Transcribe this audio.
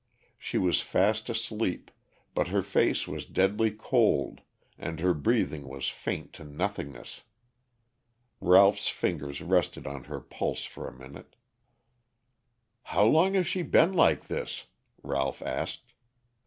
She was fast asleep, but her face was deadly cold and her breathing was faint to nothingness. Ralph's fingers rested on her pulse for a minute. "How long has she been like this?" Ralph asked.